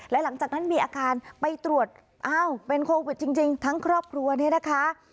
และหลังจากนั้นมีอาการไปตรวจอ้าวเป็นโควิดจริงทั้งครอบครัวเนี่ยนะคะ